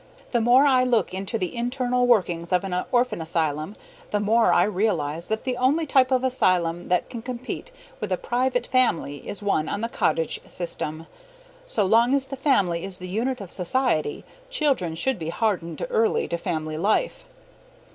The more I look into the internal workings of an orphan asylum, the more I realize that the only type of asylum that can compete with a private family is one on the cottage system. So long as the family is the unit of society, children should be hardened early to family life.